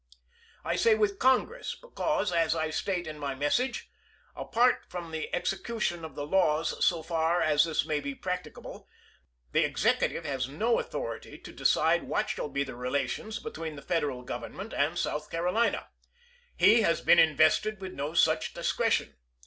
I say with Congress because, as I state in my message, u Apart from the execution of the laws so far as this may be practicable, the Executive has no authority to decide what shall be the relations between the Federal Government and South Carolina. He has been invested with no such discretion.